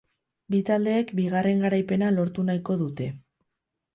Bi taldeek bigarren garaipena lortu nahiko dute.